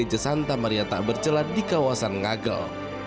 sehingga cisanta maria tak berjelat di kawasan ngagel